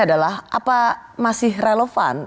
adalah apa masih relevan